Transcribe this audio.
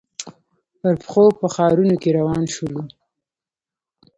پر پښو په ښارنو کې روان شولو.